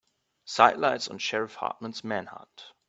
Sidelights on Sheriff Hartman's manhunt.